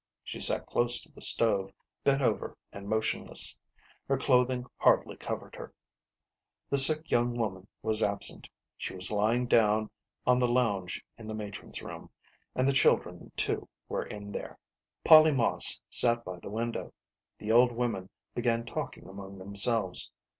She sat close to the stove, bent over and motionless. Her clothing hardly covered her. The sick young woman w^s absent ; she was SISTER LIDDY. 89 lying down on the lounge in the matron's room, and the children too were in there. Polly Moss sat by the window. The old women began talking among themselves.